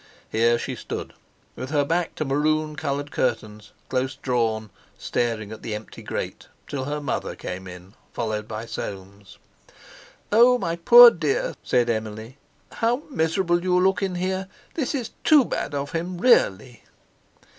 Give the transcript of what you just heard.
Here she stood, with her back to maroon coloured curtains close drawn, staring at the empty grate, till her mother came in followed by Soames. "Oh! my poor dear!" said Emily: "How miserable you look in here! This is too bad of him, really!"